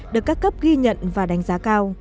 được các cấp ghi nhận và đánh giá cao